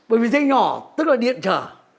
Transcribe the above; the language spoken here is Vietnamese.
bởi vì dây nhỏ tức là điện trở